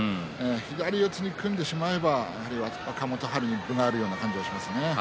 左四つに組んでしまえばあるいは若元春に分があるような感じがしますね。